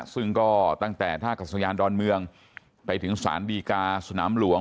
ซึ่งก็ตั้งแต่ท่ากัศยานดอนเมืองไปถึงสารดีกาสนามหลวง